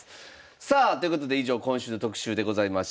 さあということで以上今週の特集でございました。